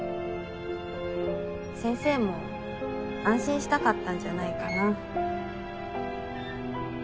先生も安心したかったんじゃないかな。